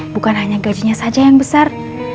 bukan hanya gajinya saja yang besar